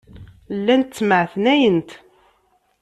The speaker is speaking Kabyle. Llant ttemɛetnayent.